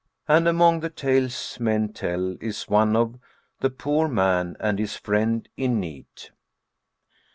And among the tales men tell is one of THE POOR MAN AND HIS FRIEND IN NEED.